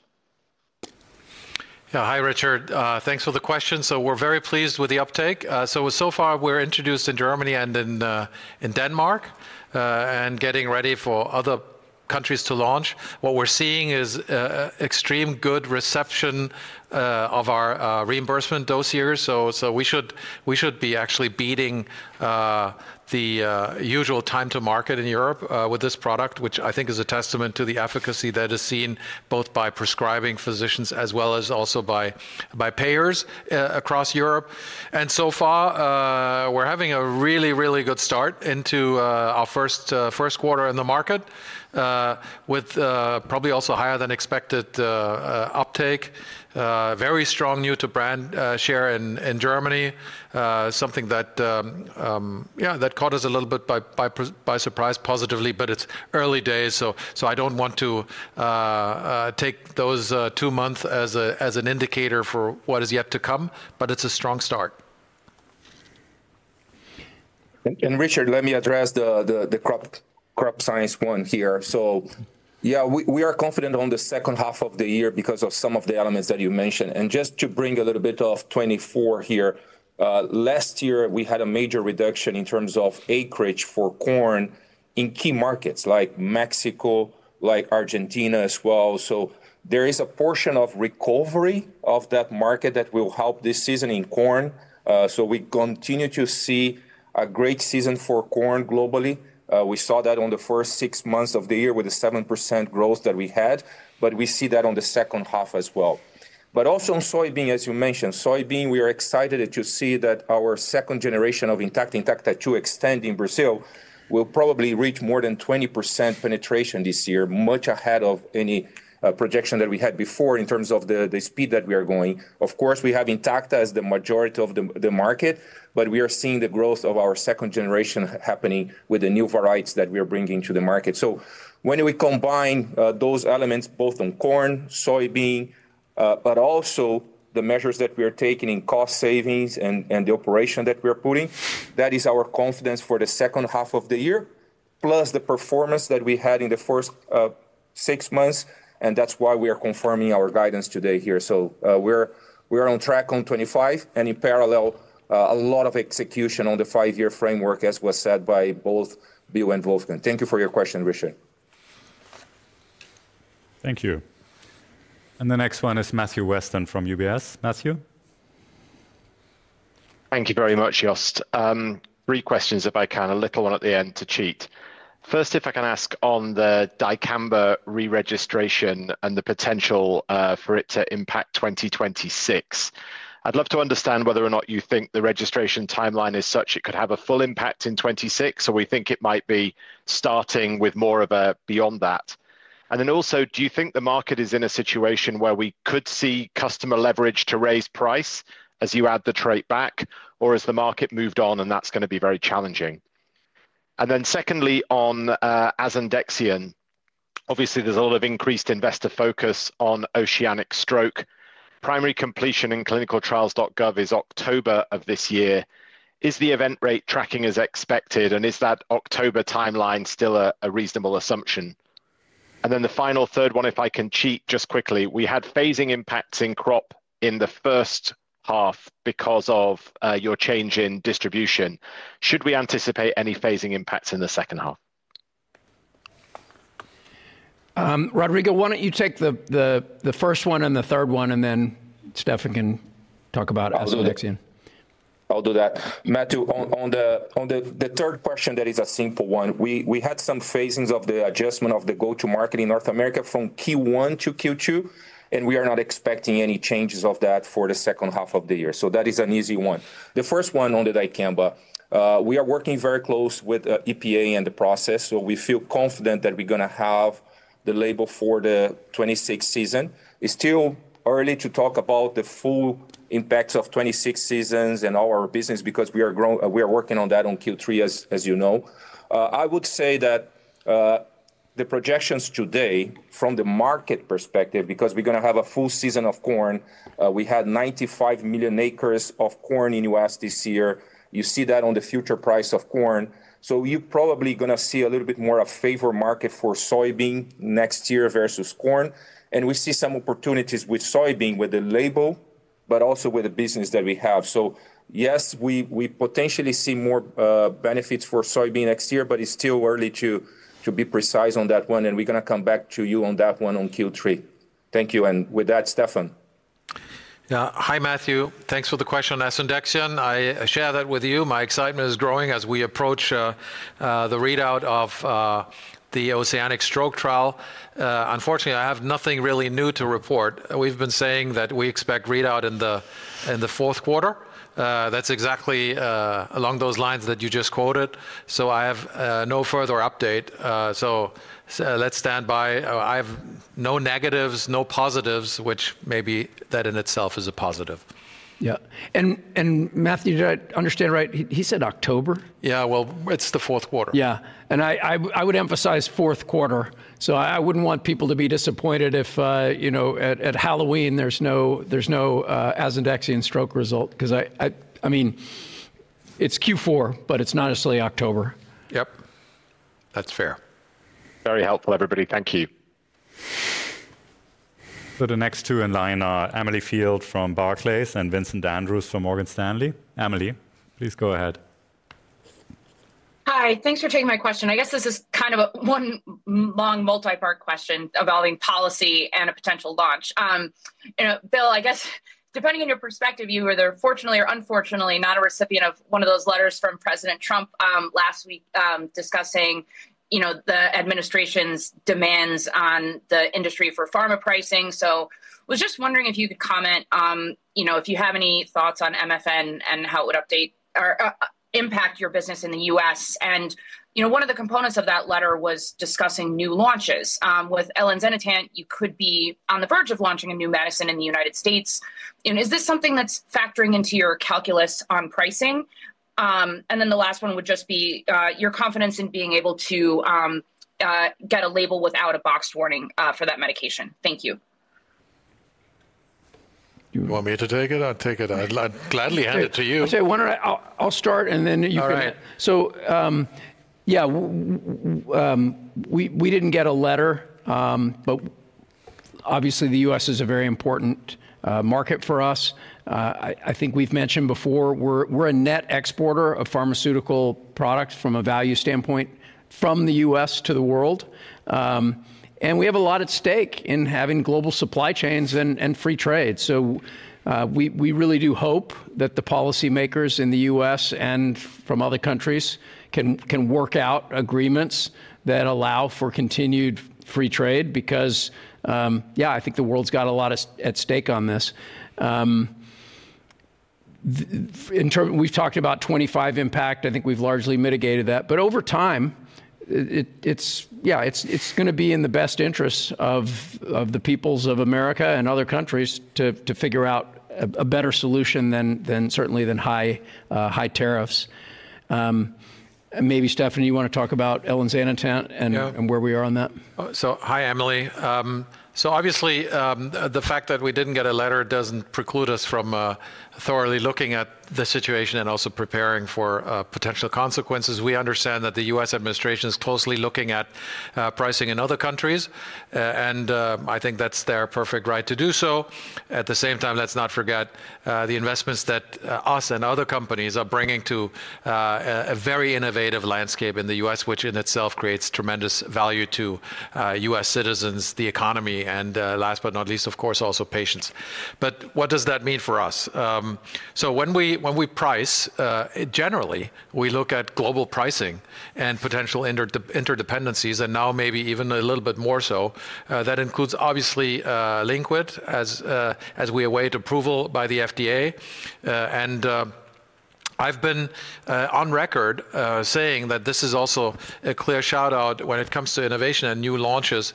Yeah, hi, Richard. Thanks for the question. We're very pleased with the uptake. So far, we're introduced in Germany and in Denmark and getting ready for other countries to launch. What we're seeing is extremely good reception of our reimbursement dossiers. We should be actually beating the usual time to market in Europe with this product, which I think is a testament to the efficacy that is seen both by prescribing physicians as well as also by payers across Europe. So far, we're having a really, really good start into our first quarter in the market with probably also higher than expected uptake. Very strong new-to-brand share in Germany, something that caught us a little bit by surprise positively, but it's early days. I don't want to take those two months as an indicator for what is yet to come, but it's a strong start. Richard, let me address the Crop Science one here. We are confident on the second half of the year because of some of the elements that you mentioned. To bring a little bit of 2024 here, last year, we had a major reduction in terms of acreage for corn in key markets like Mexico and Argentina as well. There is a portion of recovery of that market that will help this season in corn. We continue to see a great season for corn globally. We saw that in the first six months of the year with the 7% growth that we had, and we see that in the second half as well. Also, on soybean, as you mentioned, we are excited to see that our second generation of Intacta to extend in Brazil will probably reach more than 20% penetration this year, much ahead of any projection that we had before in terms of the speed that we are going. Of course, we have Intacta as the majority of the market, but we are seeing the growth of our second generation happening with the new varieties that we are bringing to the market. When we combine those elements, both on corn and soybean, and the measures that we are taking in cost savings and the operation that we are putting, that is our confidence for the second half of the year, plus the performance that we had in the first six months. That is why we are confirming our guidance today here. We are on track on 2025, and in parallel, a lot of execution on the five-year framework, as was said by both Bill and Wolfgang. Thank you for your question, Richard. Thank you. The next one is Matthew Weston from UBS. Matthew? Thank you very much, Jost. Three questions, if I can, a little one at the end to cheat. First, if I can ask on the Dicamba re-registration and the potential for it to impact 2026. I'd love to understand whether or not you think the registration timeline is such it could have a full impact in 2026, or we think it might be starting with more of a beyond that. Also, do you think the market is in a situation where we could see customer leverage to raise price as you add the trait back, or has the market moved on and that's going to be very challenging? Secondly, on Azandexion, obviously, there's a lot of increased investor focus on Oceanic Stroke. Primary completion in clinicaltrials.gov is October of this year. Is the event rate tracking as expected, and is that October timeline still a reasonable assumption? The final third one, if I can cheat just quickly, we had phasing impacts in Crop in the first half because of your change in distribution. Should we anticipate any phasing impacts in the second half? Rodrigo, why don't you take the first one and the third one, and then Stefan can talk about Azandexion? I'll do that. Matthew, on the third question, that is a simple one. We had some phasings of the adjustment of the go-to-market in North America from Q1 to Q2, and we are not expecting any changes of that for the second half of the year. That is an easy one. The first one on the Dicamba, we are working very close with EPA and the process. We feel confident that we're going to have the label for the 2026 season. It's still early to talk about the full impacts of 2026 seasons and all our business because we are working on that on Q3, as you know. I would say that the projections today from the market perspective, because we're going to have a full season of corn, we had 95 million acres of corn in the U.S. this year. You see that on the future price of corn. You're probably going to see a little bit more of a favorable market for soybean next year versus corn. We see some opportunities with soybean with the label, but also with the business that we have. Yes, we potentially see more benefits for soybean next year, but it's still early to be precise on that one. We're going to come back to you on that one on Q3. Thank you. With that, Stefan. Yeah, hi, Matthew. Thanks for the question on Azandexion. I share that with you. My excitement is growing as we approach the readout of the Oceanic Stroke trial. Unfortunately, I have nothing really new to report. We've been saying that we expect readout in the fourth quarter. That's exactly along those lines that you just quoted. I have no further update. Let's stand by. I have no negatives, no positives, which may be that in itself is a positive. Yeah. Matthew, did I understand right? He said October? It's the fourth quarter. I would emphasize fourth quarter. I wouldn't want people to be disappointed if, you know, at Halloween, there's no Azandexion stroke result because I mean, it's Q4, but it's not necessarily October. That's fair. Very helpful, everybody. Thank you. The next two in line are Emily Field from Barclays and Vincent Andrews from Morgan Stanley. Emily, please go ahead. Hi, thanks for taking my question. I guess this is kind of a one long multi-part question involving policy and a potential launch. You know, Bill, I guess depending on your perspective, you were either fortunately or unfortunately not a recipient of one of those letters from President Trump last week discussing the administration's demands on the industry for pharma pricing. I was just wondering if you could comment on if you have any thoughts on MFN and how it would update or impact your business in the U.S. One of the components of that letter was discussing new launches. With Linqued (elinzanetant), you could be on the verge of launching a new medicine in the United States. Is this something that's factoring into your calculus on pricing? The last one would just be your confidence in being able to get a label without a box warning for that medication. Thank you. You want me to take it? I'll take it. I'd gladly hand it to you. I'll start and then you can. We didn't get a letter, but obviously, the U.S. is a very important market for us. I think we've mentioned before, we're a net exporter of pharmaceutical products from a value standpoint from the U.S. to the world. We have a lot at stake in having global supply chains and free trade. We really do hope that the policymakers in the U.S. and from other countries can work out agreements that allow for continued free trade because I think the world's got a lot at stake on this. We've talked about '25 impact. I think we've largely mitigated that. Over time, it's going to be in the best interests of the peoples of America and other countries to figure out a better solution than certainly high tariffs. Maybe, Stefan, you want to talk about Linqued (elinzanetant) and where we are on that? Hi, Emily. Obviously, the fact that we didn't get a letter doesn't preclude us from thoroughly looking at the situation and also preparing for potential consequences. We understand that the U.S. administration is closely looking at pricing in other countries, and I think that's their perfect right to do so. At the same time, let's not forget the investments that us and other companies are bringing to a very innovative landscape in the U.S., which in itself creates tremendous value to U.S. citizens, the economy, and last but not least, of course, also patients. What does that mean for us? When we price, generally, we look at global pricing and potential interdependencies, and now maybe even a little bit more so. That includes obviously Linqued (elinzanetant) as we await approval by the FDA. I've been on record saying that this is also a clear shout-out when it comes to innovation and new launches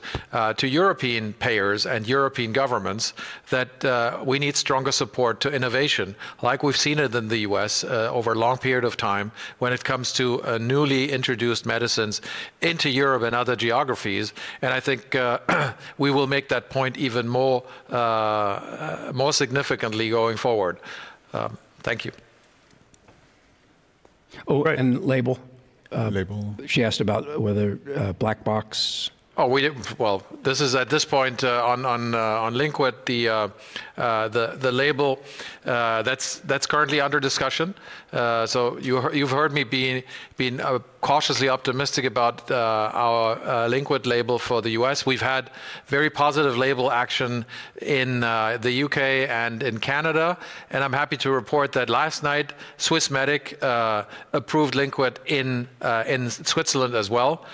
to European payers and European governments that we need stronger support to innovation, like we've seen it in the U.S. over a long period of time when it comes to newly introduced medicines into Europe and other geographies. I think we will make that point even more significantly going forward. Thank you. Oh, and label. Label. She asked about whether black box. At this point on Linqued (elinzanetant), the label that's currently under discussion, you've heard me being cautiously optimistic about our Linqued (elinzanetant) label for the U.S. We've had very positive label action in the U.K. and in Canada. I'm happy to report that last night, Swissmedic approved Linqued (elinzanetant) in Switzerland as well.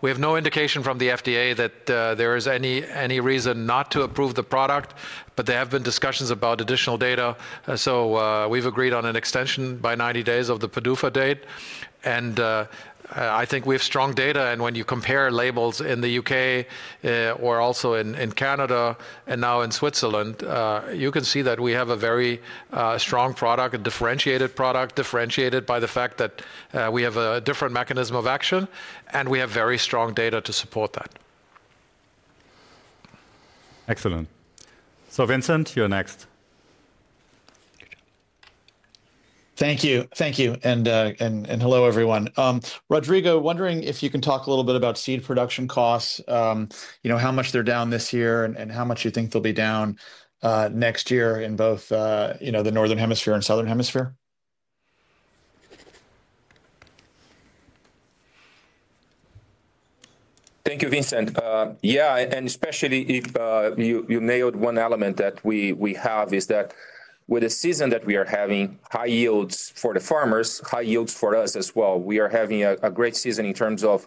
We have no indication from the FDA that there is any reason not to approve the product, but there have been discussions about additional data. We've agreed on an extension by 90 days of the PDUFA date. I think we have strong data. When you compare labels in the U.K. or also in Canada and now in Switzerland, you can see that we have a very strong product, a differentiated product, differentiated by the fact that we have a different mechanism of action, and we have very strong data to support that. Excellent. Vincent, you're next. Thank you. Thank you. Hello, everyone. Rodrigo, wondering if you can talk a little bit about seed production costs, you know, how much they're down this year and how much you think they'll be down next year in both the Northern Hemisphere and Southern Hemisphere? Thank you, Vincent. Yeah, and especially if you nailed one element that we have is that with the season that we are having, high yields for the farmers, high yields for us as well. We are having a great season in terms of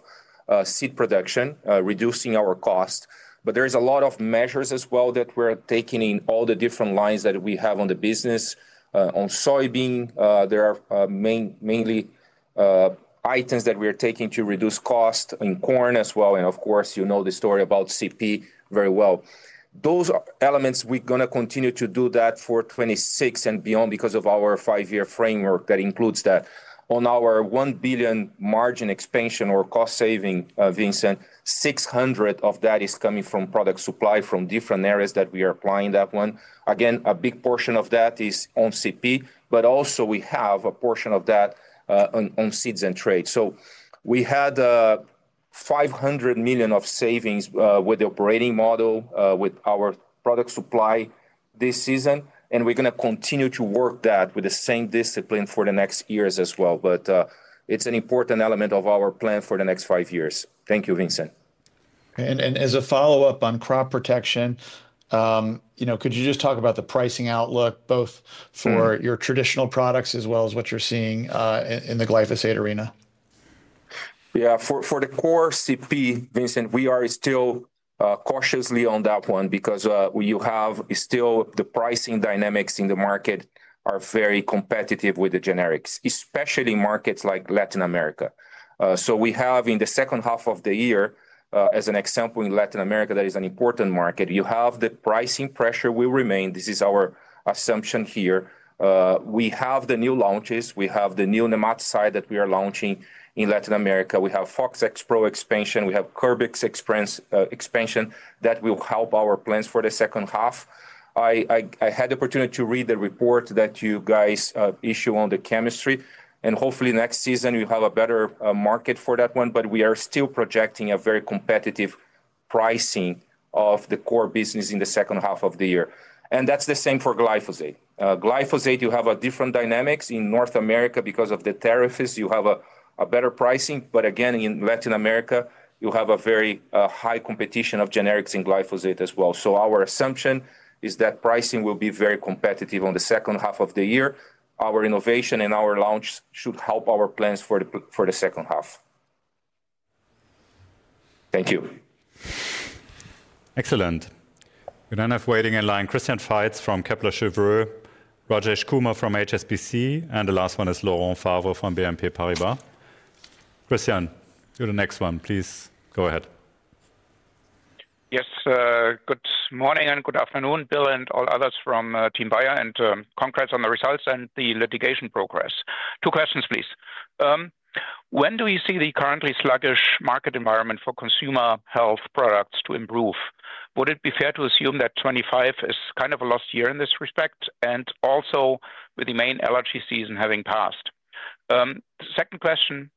seed production, reducing our cost. There are a lot of measures as well that we're taking in all the different lines that we have on the business. On soybean, there are mainly items that we are taking to reduce cost in corn as well. Of course, you know the story about CP very well. Those elements, we're going to continue to do that for 2026 and beyond because of our five-year framework that includes that. On our 1 billion margin expansion or cost saving, Vincent, 600 million of that is coming from product supply from different areas that we are applying that one. Again, a big portion of that is on CP, but also we have a portion of that on seeds and trade. We had 500 million of savings with the operating model with our product supply this season. We're going to continue to work that with the same discipline for the next years as well. It's an important element of our plan for the next five years. Thank you, Vincent. Could you just talk about the pricing outlook both for your traditional products as well as what you're seeing in the glyphosate arena? Yeah, for the core CP, Vincent, we are still cautiously on that one because you have still the pricing dynamics in the market are very competitive with the generics, especially in markets like Latin America. We have in the second half of the year, as an example in Latin America, that is an important market. You have the pricing pressure will remain. This is our assumption here. We have the new launches. We have the new nematocide that we are launching in Latin America. We have Fox Expro expansion. We have Kerbix expansion that will help our plans for the second half. I had the opportunity to read the report that you guys issue on the chemistry. Hopefully, next season, we'll have a better market for that one. We are still projecting a very competitive pricing of the core business in the second half of the year. That's the same for glyphosate. Glyphosate, you have different dynamics in North America because of the tariffs. You have a better pricing. Again, in Latin America, you have a very high competition of generics in glyphosate as well. Our assumption is that pricing will be very competitive on the second half of the year. Our innovation and our launch should help our plans for the second half. Thank you. Excellent. We don't have waiting in line. Christian Feitz from Kepler Cheuvreux, Rajesh Kumar from HSBC, and the last one is Laurent Favre from BNP Paribas. Christian, to the next one, please go ahead. Yes, good morning and good afternoon, Bill and all others from Team Bayer. Congrats on the results and the litigation progress. Two questions, please. When do we see the currently sluggish market environment for Consumer Health products improve? Would it be fair to assume that 2025 is kind of a lost year in this respect, also with the main allergy season having passed? Second question,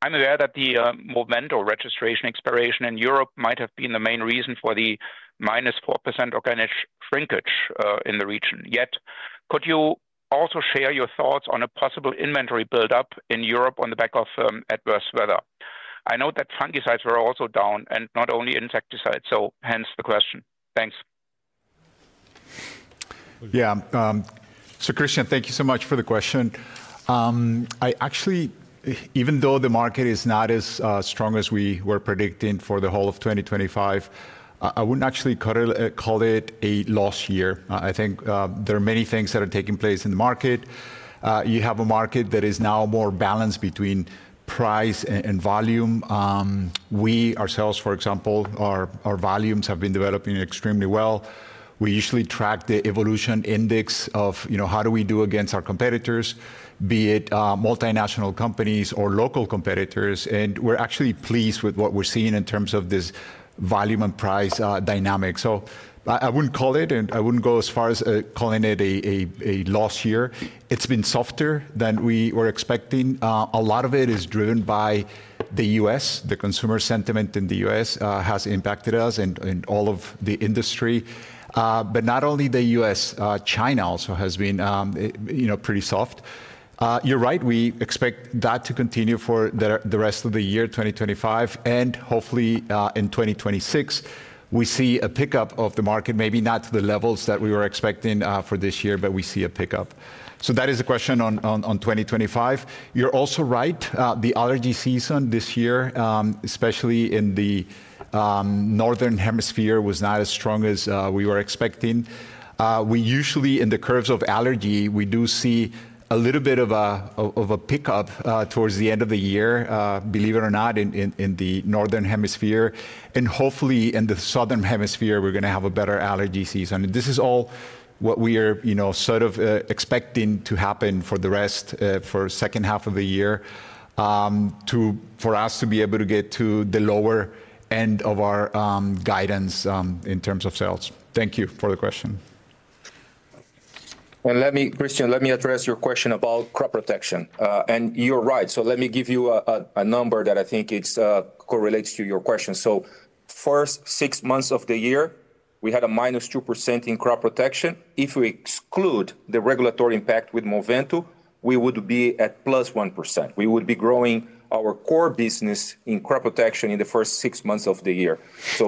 I'm aware that the Movento registration expiration in Europe might have been the main reason for the -4% organic shrinkage in the region. Yet, could you also share your thoughts on a possible inventory buildup in Europe on the back of adverse weather? I note that fungicides were also down and not only insecticides, hence the question. Thanks. Yeah. Christian, thank you so much for the question. I actually, even though the market is not as strong as we were predicting for the whole of 2025, wouldn't actually call it a lost year. I think there are many things that are taking place in the market. You have a market that is now more balanced between price and volume. We ourselves, for example, our volumes have been developing extremely well. We usually track the evolution index of how we do against our competitors, be it multinational companies or local competitors. We're actually pleased with what we're seeing in terms of this volume and price dynamic. I wouldn't call it, and I wouldn't go as far as calling it a lost year. It's been softer than we were expecting. A lot of it is driven by the U.S. The consumer sentiment in the U.S. has impacted us and all of the industry. Not only the U.S., China also has been pretty soft. You're right. We expect that to continue for the rest of the year, 2025. Hopefully, in 2026, we see a pickup of the market, maybe not to the levels that we were expecting for this year, but we see a pickup. That is a question on 2025. You're also right. The allergy season this year, especially in the Northern Hemisphere, was not as strong as we were expecting. We usually, in the curves of allergy, do see a little bit of a pickup towards the end of the year, believe it or not, in the Northern Hemisphere. Hopefully, in the Southern Hemisphere, we're going to have a better allergy season. This is all what we are expecting to happen for the rest of the second half of the year for us to be able to get to the lower end of our guidance in terms of sales. Thank you for the question. Let me, Christian, address your question about crop protection. You're right. Let me give you a number that I think correlates to your question. For the first six months of the year, we had a -2% in crop protection. If we exclude the regulatory impact with Movento, we would be at +1%. We would be growing our core business in crop protection in the first six months of the year. The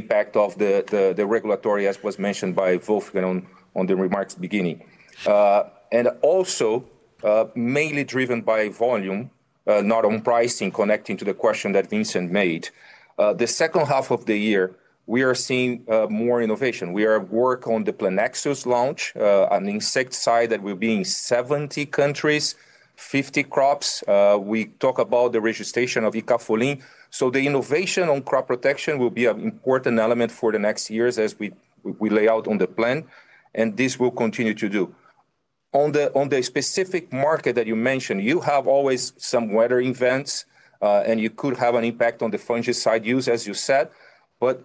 impact is really from the regulatory, as was mentioned by Wolfgang on the remarks at the beginning. Also, it is mainly driven by volume, not on pricing, connecting to the question that Vincent made. In the second half of the year, we are seeing more innovation. We are working on the PLANEXU.S. launch, an insecticide that will be in 70 countries and 50 crops. We talk about the registration of ECAF/LIN. The innovation on crop protection will be an important element for the next years as we lay out on the plan, and this will continue to do. On the specific market that you mentioned, you always have some weather events, and you could have an impact on the fungicide use, as you said.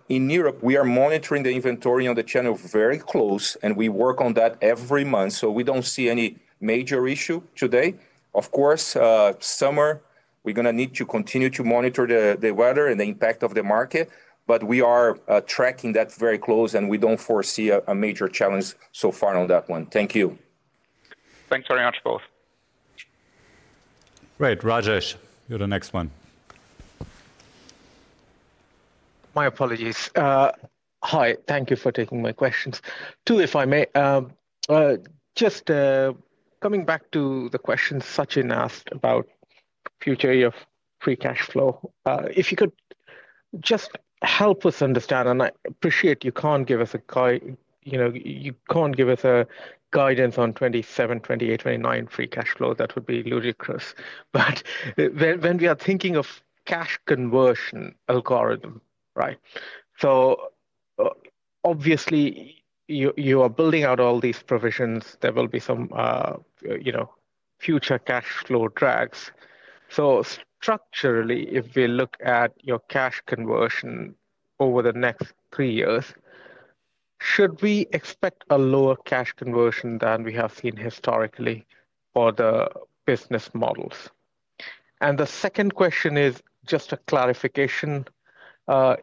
In Europe, we are monitoring the inventory on the channel very closely, and we work on that every month. We don't see any major issue today. Of course, in summer, we are going to need to continue to monitor the weather and the impact on the market. We are tracking that very closely, and we don't foresee a major challenge so far on that one. Thank you. Thanks very much, both. Great. Rajesh, you're the next one. My apologies. Hi, thank you for taking my questions. Two, if I may, just coming back to the question Sachin asked about the future of free cash flow. If you could just help us understand, and I appreciate you can't give us a guidance on 2027, 2028, 2029 free cash flow, that would be ludicrous. When we are thinking of cash conversion algorithm, right? Obviously, you are building out all these provisions. There will be some, you know, future cash flow drags. Structurally, if we look at your cash conversion over the next three years, should we expect a lower cash conversion than we have seen historically for the business models? The second question is just a clarification.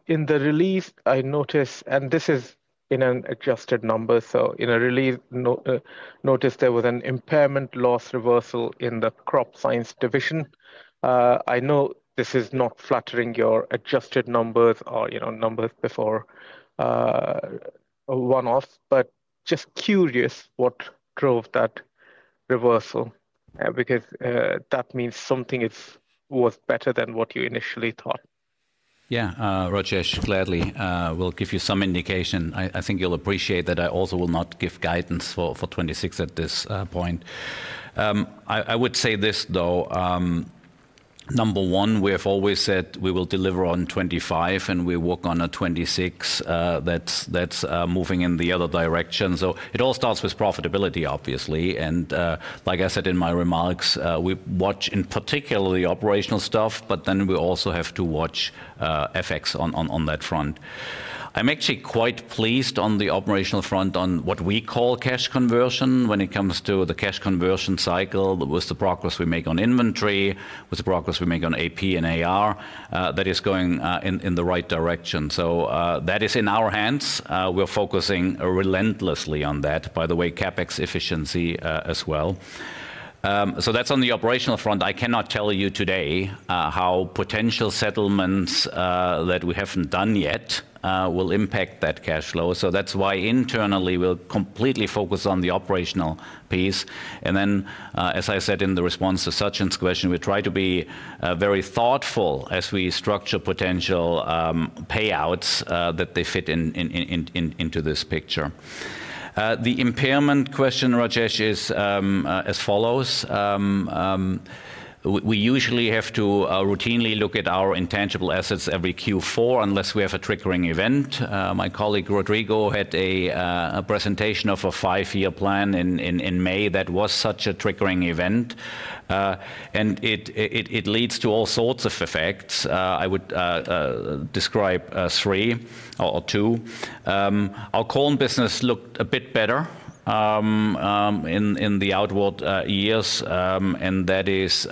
In the release, I noticed, and this is in an adjusted number, so in a release notice there was an impairment loss reversal in the Crop Science division. I know this is not flattering your adjusted numbers or, you know, numbers before one-offs, but just curious what drove that reversal because that means something was better than what you initially thought. Yeah, Rajesh, clearly, we'll give you some indication. I think you'll appreciate that I also will not give guidance for 2026 at this point. I would say this, though. Number one, we have always said we will deliver on 2025, and we work on a 2026. That's moving in the other direction. It all starts with profitability, obviously. Like I said in my remarks, we watch in particular the operational stuff, but then we also have to watch FX on that front. I'm actually quite pleased on the operational front on what we call cash conversion when it comes to the cash conversion cycle with the progress we make on inventory, with the progress we make on AP and AR that is going in the right direction. That is in our hands. We're focusing relentlessly on that. By the way, CapEx efficiency as well. That's on the operational front. I cannot tell you today how potential settlements that we haven't done yet will impact that cash flow. That's why internally, we'll completely focus on the operational piece. As I said in the response to Sachin's question, we try to be very thoughtful as we structure potential payouts that they fit into this picture. The impairment question, Rajesh, is as follows. We usually have to routinely look at our intangible assets every Q4 unless we have a triggering event. My colleague Rodrigo had a presentation of a five-year plan in May that was such a triggering event. It leads to all sorts of effects. I would describe three or two. Our corn business looked a bit better in the outward years, and that is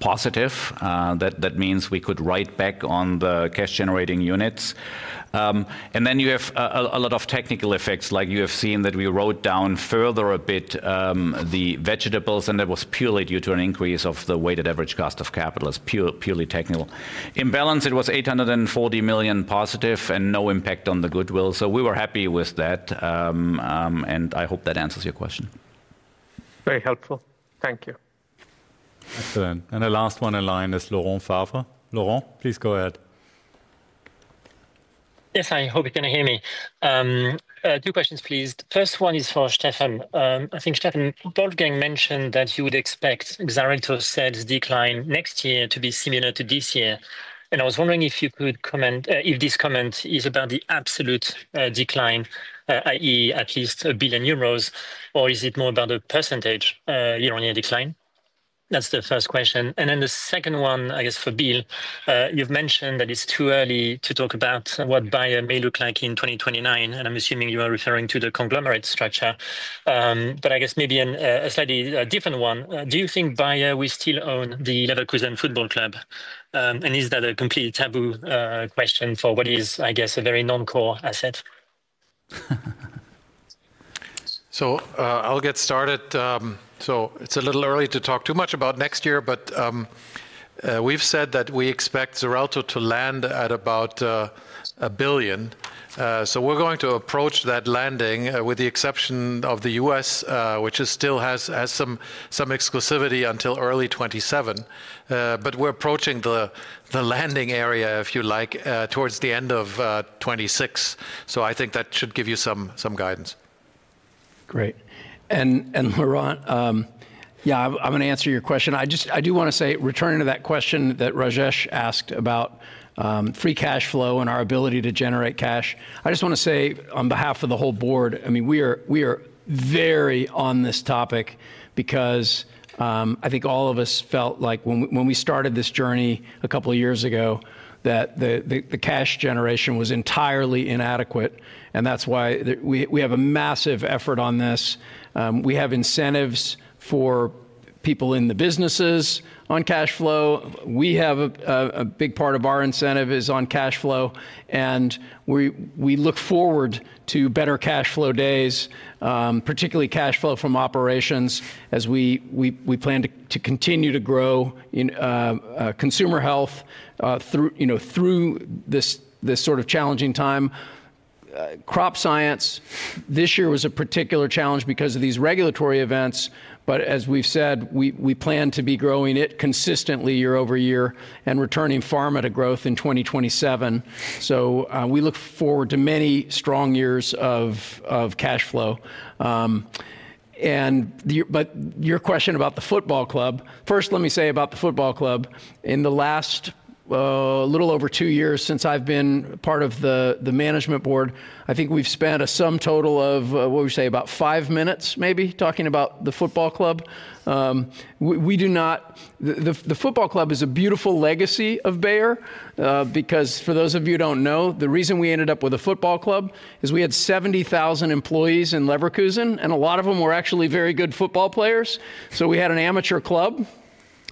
positive. That means we could write back on the cash-generating units. Then you have a lot of technical effects, like you have seen that we wrote down further a bit the vegetables, and that was purely due to an increase of the weighted average cost of capital, purely technical. In balance, it was 840 million positive and no impact on the goodwill. We were happy with that. I hope that answers your question. Very helpful. Thank you. Excellent. The last one in line is Laurent Favre. Laurent, please go ahead. Yes, hi, I hope you can hear me. Two questions, please. First one is for Stefan. I think, Stefan, Wolfgang mentioned that you would expect Xarelto sales decline next year to be similar to this year. I was wondering if you could comment if this comment is about the absolute decline, i.e., at least 1 billion euros, or is it more about the % year-on-year decline? That's the first question. The second one, I guess, for Bill, you've mentioned that it's too early to talk about what Bayer may look like in 2029. I'm assuming you are referring to the conglomerate structure. I guess maybe a slightly different one. Do you think Bayer will still own the Bayer 04 Leverkusen football club? Is that a completely taboo question for what is, I guess, a very non-core asset? I'll get started. It's a little early to talk too much about next year, but we've said that we expect Xarelto to land at about 1 billion. We're going to approach that landing with the exception of the U.S., which still has some exclusivity until early 2027. We're approaching the landing area, if you like, towards the end of 2026. I think that should give you some guidance. Great. Laurent, I'm going to answer your question. I do want to say, returning to that question that Rajesh asked about free cash flow and our ability to generate cash, I just want to say on behalf of the whole board, we are very on this topic because I think all of us felt like when we started this journey a couple of years ago, that the cash generation was entirely inadequate. That is why we have a massive effort on this. We have incentives for people in the businesses on cash flow. A big part of our incentive is on cash flow. We look forward to better cash flow days, particularly cash flow from operations, as we plan to continue to grow in Consumer Health through this sort of challenging time. Crop Science this year was a particular challenge because of these regulatory events. As we've said, we plan to be growing it consistently year-over-year and returning Pharmaceuticals to growth in 2027. We look forward to many strong years of cash flow. Your question about the football club, first, let me say about the football club. In the last little over two years since I've been part of the management board, I think we've spent a sum total of, what would we say, about five minutes maybe talking about the football club. We do not, the football club is a beautiful legacy of Bayer because for those of you who don't know, the reason we ended up with a football club is we had 70,000 employees in Leverkusen, and a lot of them were actually very good football players. We had an amateur club.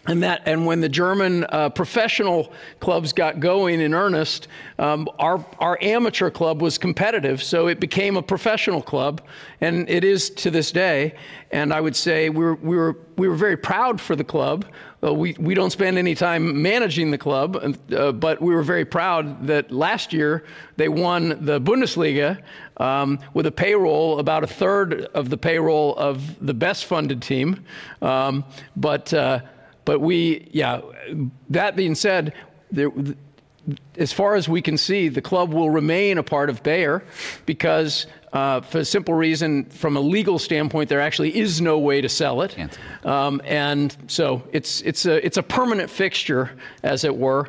When the German professional clubs got going in earnest, our amateur club was competitive. It became a professional club, and it is to this day. I would say we were very proud for the club. We do not spend any time managing the club, but we were very proud that last year they won the Bundesliga with a payroll about a third of the payroll of the best-funded team. That being said, as far as we can see, the club will remain a part of Bayer because for a simple reason, from a legal standpoint, there actually is no way to sell it. It is a permanent fixture, as it were,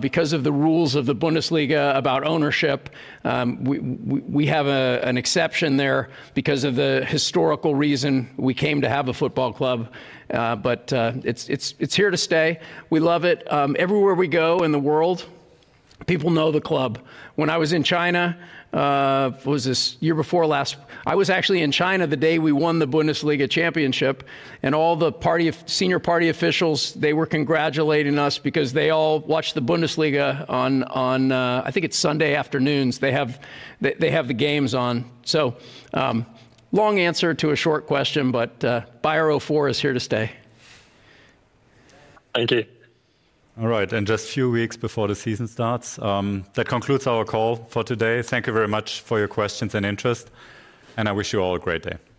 because of the rules of the Bundesliga about ownership. We have an exception there because of the historical reason we came to have a football club. It is here to stay. We love it. Everywhere we go in the world, people know the club. When I was in China, this year before last, I was actually in China the day we won the Bundesliga championship. All the senior party officials were congratulating us because they all watched the Bundesliga on, I think it's Sunday afternoons. They have the games on. Long answer to a short question, but Bayer 04 is here to stay. Thank you. All right. Just a few weeks before the season starts, that concludes our call for today. Thank you very much for your questions and interest. I wish you all a great day.